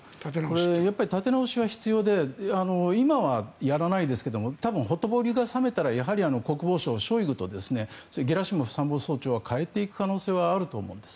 立て直しは必要で今はやらないですがほとぼりが冷めたらやはりショイグ国防相とゲラシモフ参謀総長は代えていく可能性はあると思うんです。